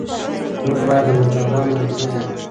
موږ بايد د معتادانو درملنه وکړو.